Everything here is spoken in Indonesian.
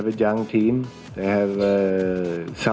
dan saya pikir mereka juga berhasil